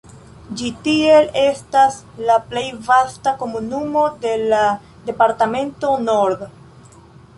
Ĝi tiel estas la plej vasta komunumo de la departemento Nord.